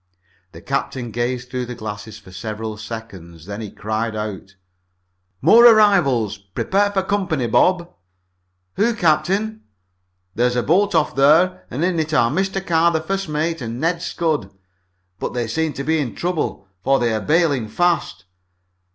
The captain gazed through the glasses for several seconds. Then he cried out: "More arrivals! Prepare for company, Bob!" "Who, captain?" "There's a boat off there and in it are Mr. Carr, the first mate, and Ned Scudd! But they seem to be in trouble, for they are bailing fast.